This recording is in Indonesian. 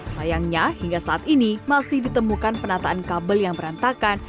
sayangnya hingga saat ini masih ditemukan penataan kabel yang berantakan